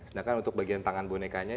dan juga untuk bagian tangan bonekanya